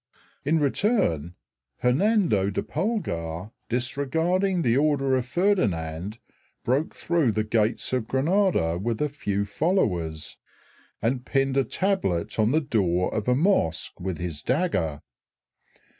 In return Hernando del Pulgar, disregarding the order of Ferdinand, broke through the gates of Granada with a few followers and pinned a tablet on the door of a mosque with his dagger.